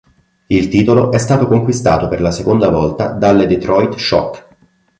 Il titolo è stato conquistato per la seconda volta dalle Detroit Shock.